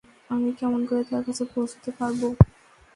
আমি কেমন করে তার কাছে পৌঁছতে পারব?